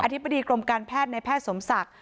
ธิบดีกรมการแพทย์ในแพทย์สมศักดิ์